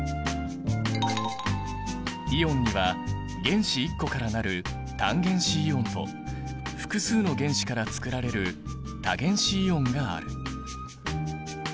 イオンには原子１個から成る単原子イオンと複数の原子からつくられる多原子イオンがある。